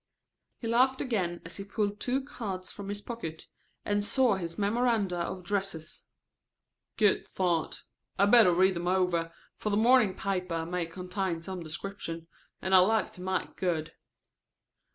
He laughed again as he pulled two cards from his pocket and saw his memoranda of dresses. "Good thought. I'd better read them over, for the morning paper may contain some description, and I'd like to make good.